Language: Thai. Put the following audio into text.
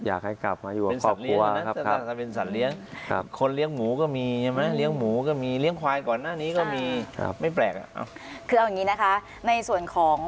อันนี้พอบใจตรงคำหรือพอบใจตัวเอง